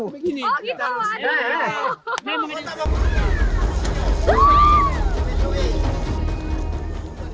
oh gitu waduh